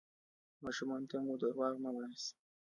ماشومانو ته مو درواغ مه وایاست.